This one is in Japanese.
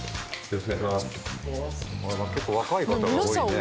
結構若い方が多いね。